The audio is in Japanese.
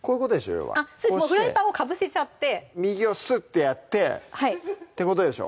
要はフライパンをかぶせちゃって右をスッてやってってことでしょ